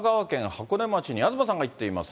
箱根町に東さんが行っています。